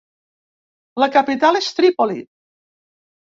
La capital és Trípoli.